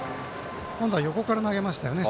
今度は横から投げましたね。